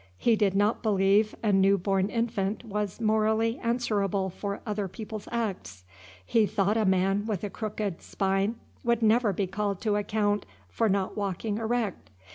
He did not believe a new born infant was morally answerable for other people's acts. He thought a man with a crooked spine would never be called to account for not walking erect.